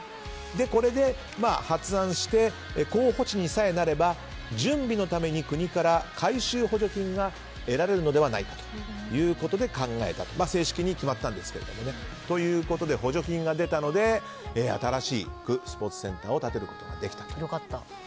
これで発案して候補地にさえなれば準備のために国から改修補助金が得られるのではないかということで考えたと正式に決まったんですけどね。ということで、補助金が出たので新しくスポーツセンターを建てることができたと。